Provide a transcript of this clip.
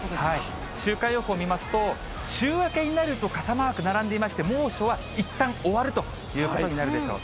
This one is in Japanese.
週間予報見ますと、週明けになると傘マーク並んでいまして、猛暑はいったん終わるということになるでしょう。